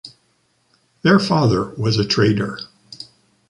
Their father was a trader.